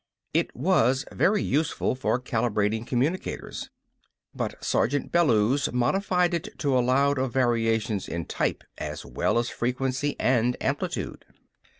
It was very useful for calibrating communicators. But Sergeant Bellews modified it to allow of variations in type as well as frequency and amplitude.